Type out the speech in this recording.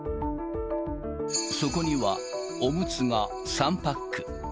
そこにはおむつが３パック。